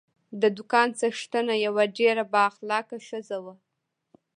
د دوکان څښتنه یوه ډېره با اخلاقه ښځه وه.